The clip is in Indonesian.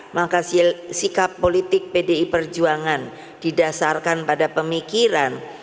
maka sikap politik pdi perjuangan didasarkan pada pemikiran